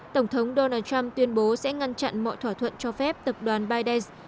tổng thống donald trump tuyên bố sẽ ngăn chặn mọi thỏa thuận cho phép tập đoàn biden